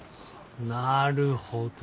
なるほど。